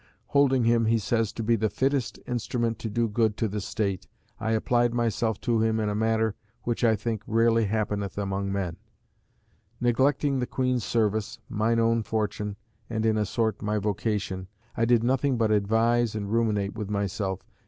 Holding him, he says, to be "the fittest instrument to do good to the State, I applied myself to him in a manner which I think rarely happeneth among men; neglecting the Queen's service, mine own fortune, and, in a sort, my vocation, I did nothing but advise and ruminate with myself